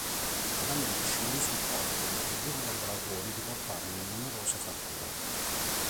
Gallucci morì sul colpo, mentre i due collaboratori riportarono numerose fratture.